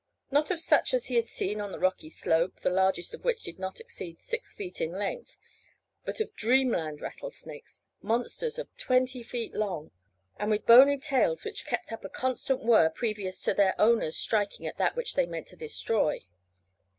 Not of such as he had seen on the rocky slope, the largest of which did not exceed six feet in length, but of dreamland rattlesnakes, monsters of twenty feet long, and with bony tails which kept up a constant whirr previous to their owners striking at that which they meant to destroy.